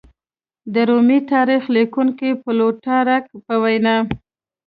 د رومي تاریخ لیکونکي پلوټارک په وینا